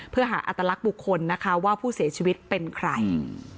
เพื่อหาอัตลักษณ์บุคคลนะคะว่าผู้เสียชีวิตเป็นใคร